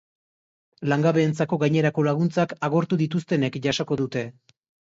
Langabeentzako gainerako laguntzak agortu dituztenek jasoko dute.